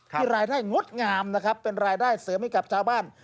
ที่รายได้งดงามนะครับเป็นรายได้เสริมให้กับชาวบ้าน